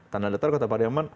tanah datar kota pariaman